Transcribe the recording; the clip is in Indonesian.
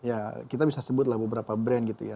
ya kita bisa sebutlah beberapa brand gitu ya